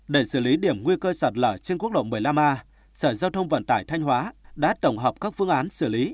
để xử lý điểm nguy cơ sạt lở trên quốc lộ một mươi năm a sở giao thông vận tải thanh hóa đã tổng hợp các phương án xử lý